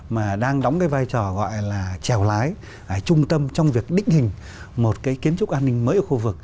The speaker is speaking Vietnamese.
mà đang đóng cái vai trò gọi là trèo lái trung tâm trong việc định hình một cái kiến trúc an ninh mới ở khu vực